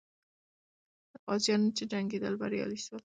غازیان چې جنګېدل، بریالي سول.